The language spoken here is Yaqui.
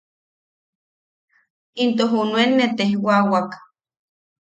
Into junuen nee tejwawak.